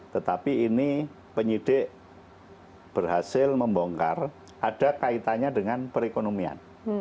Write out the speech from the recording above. tetapi ini penyidik berhasil membongkar ada kaitannya dengan perekonomian